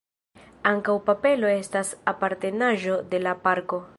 Ankaŭ kapelo estas apartenaĵo de la parko.